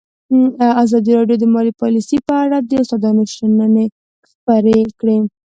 ازادي راډیو د مالي پالیسي په اړه د استادانو شننې خپرې کړي.